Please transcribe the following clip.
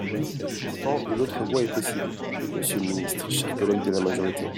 Pourtant, une autre voie est possible, monsieur le ministre, chers collègues de la majorité.